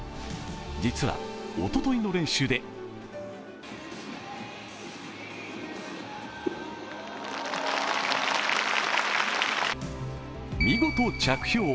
実は、おとといの練習で見事着氷。